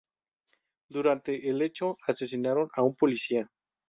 Durante el hecho asesinaron a un policía.